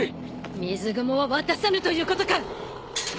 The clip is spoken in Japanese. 水雲は渡さぬということか。